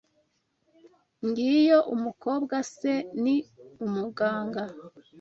Ngiyo umukobwa se ni umuganga.